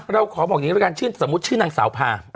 เราขอบอกอย่างนี้กันสมมุติชื่อนางสาวพา